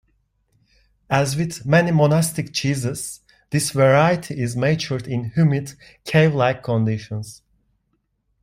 As with many monastic cheeses, this variety is matured in humid cave-like conditions.